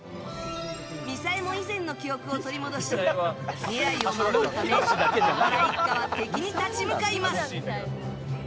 みさえも以前の記憶を取り戻し未来を守るため野原一家は敵に立ち向かいます。